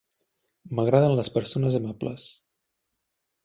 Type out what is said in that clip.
M'agraden les persones amables.